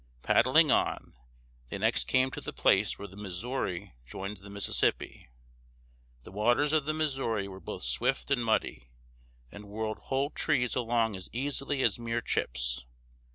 Paddling on, they next came to the place where the Missouri joins the Mississippi. The waters of the Missouri were both swift and muddy, and whirled whole trees along as easily as mere chips.